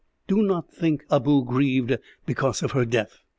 Do not think Abou grieved because of her death.